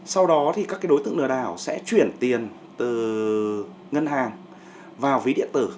sau đó thì các đối tượng lừa đảo sẽ chuyển tiền từ ngân hàng vào ví điện tử